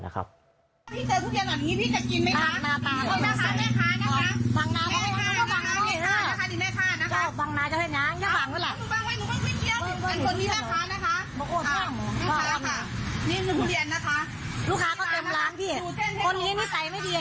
นี่คือทุเรียนนะคะลูกค้าก็เต็มร้านพี่คนนี้นิสัยไม่ดี